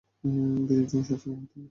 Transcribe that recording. বিয়ের জন্য স্বাস্থ্যবান হতে হবে।